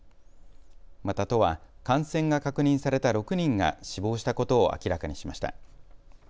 また都は感染が確認された６人が死亡したことを明らかにしました。